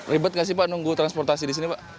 ribet gak sih pak nunggu transportasi di sini pak